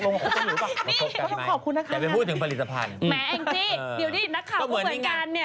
แม่แอ้งจี้ดีวดีนักข่าวพูดเหมือนกันเนี่ย